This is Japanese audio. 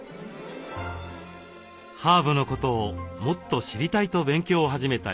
ハーブのことをもっと知りたいと勉強を始めた石井さん。